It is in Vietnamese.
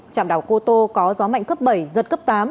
trạm đảo cô tô có gió mạnh cấp bảy giật cấp tám